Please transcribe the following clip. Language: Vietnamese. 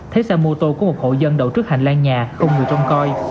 thấy xe mô tô của một hộ dân đậu trước hành lang nhà không người trông coi